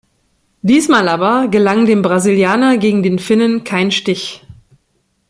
Diesmal aber gelang dem Brasilianer gegen den Finnen kein Stich.